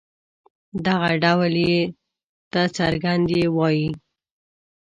دغه ډول ي ته څرګنده يې وايي.